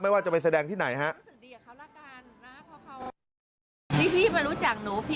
ว่าจะไปแสดงที่ไหนฮะ